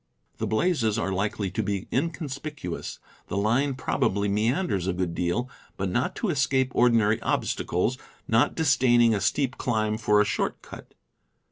The blazes are likely to be inconspicuous. The line probably meanders a good deal, but not to escape ordinary BLAZES, SURVEY LINES, ETC. 197* obstacles, not disdaining a steep climb for a short cut.